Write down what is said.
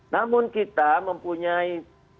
namun kita mempunyai